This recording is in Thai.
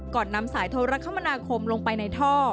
นำสายโทรคมนาคมลงไปในท่อ